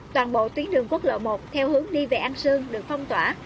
toàn bộ tuyến đường quốc lộ một theo hướng đi về an sương được phong tỏa